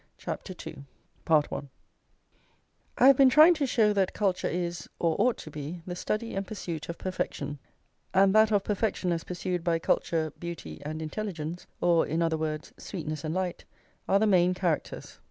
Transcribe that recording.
CHAPTER II I have been trying to show that culture is, or ought to be, the study and pursuit of perfection; and that of perfection as pursued by culture, beauty and intelligence, or, in other words, sweetness and light, are the main characters.